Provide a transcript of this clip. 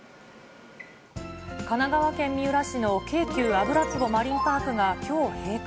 神奈川県三浦市の京急油壺マリンパークがきょう閉館。